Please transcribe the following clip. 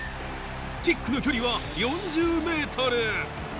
キックの距離は４０ｍ